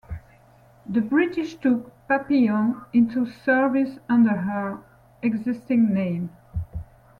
The British took "Papillon" into service under her existing name.